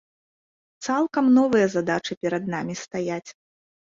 Цалкам новыя задачы перад намі стаяць.